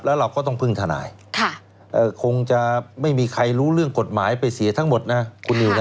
แล้วเราก็ต้องพึ่งทนายคงจะไม่มีใครรู้เรื่องกฎหมายไปเสียทั้งหมดนะคุณนิวนะ